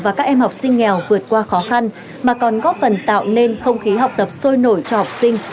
và các em học sinh nghèo vượt qua khó khăn mà còn góp phần tạo nên không khí học tập sôi nổi cho học sinh